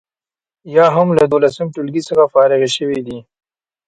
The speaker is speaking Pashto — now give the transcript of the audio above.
یا هم له دولسم ټولګي څخه فارغې شوي دي.